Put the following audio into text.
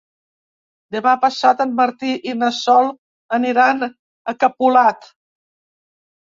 Demà passat en Martí i na Sol aniran a Capolat.